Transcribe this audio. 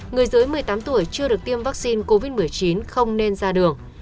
người dưới một mươi tám tuổi chưa được tiêm vaccine covid một mươi chín không nên ra đường